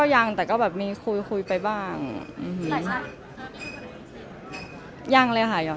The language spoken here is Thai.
ก็ยังนะแต่มีคุยไปบ้าง